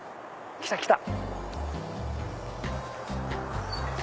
来た来た。